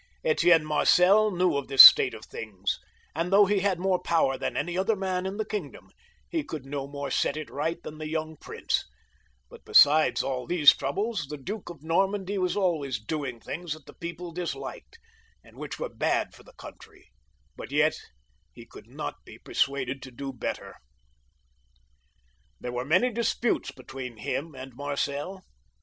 Etienne Marcel knew of this state of things, and though he had more power than any other man in the kingdom, he could no more set it right than the young prince ; but besides aU these troubles, the Duke of Normandy was always doing things that the people disliked, and which were bad for the countiy ; buj) yet he could not be persuaded to leave them off. There were many disputes between him and Marcel.